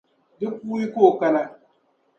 Di kuui ka o kuna.